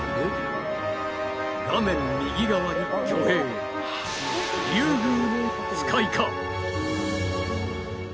画面右側に魚影リュウグウノツカイか⁉